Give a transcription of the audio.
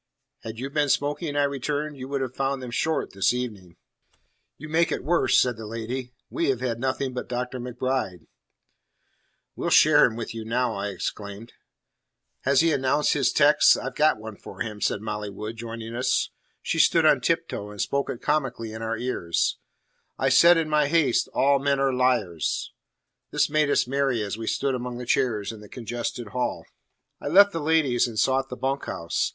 "Had you been smoking," I returned, "you would have found them short this evening." "You make it worse," said the lady; "we have had nothing but Dr. MacBride." "We'll share him with you now," I exclaimed. "Has he announced his text? I've got one for him," said Molly Wood, joining us. She stood on tiptoe and spoke it comically in our ears. "'I said in my haste, All men are liars.'" This made us merry as we stood among the chairs in the congested hall. I left the ladies, and sought the bunk house.